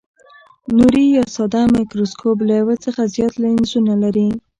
نوري یا ساده مایکروسکوپ له یو څخه زیات لینزونه لري.